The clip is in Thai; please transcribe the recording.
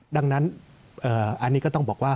ดังนั้นอันนี้ก็ต้องบอกว่า